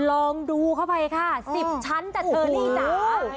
ลองดูเข้าไปค่ะ๑๐ชั้นจ้ะเชอรี่จ้า